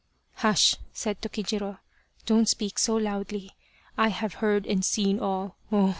" Hush," said Tokijiro, " don't speak so loudly. I have heard and seen all oh